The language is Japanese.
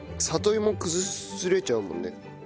里芋崩れちゃうもんね。